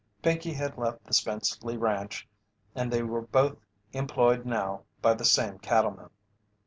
Pinkey had left the Spenceley ranch and they were both employed now by the same cattleman.